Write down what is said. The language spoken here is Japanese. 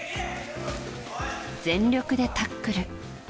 全力でタックル。